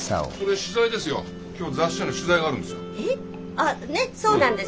あねっそうなんですよ。